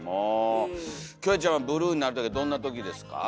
キョエちゃんはブルーになるときはどんなときですか？